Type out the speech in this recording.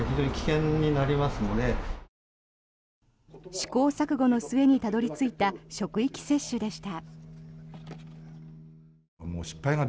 試行錯誤の末にたどり着いた職域接種でした。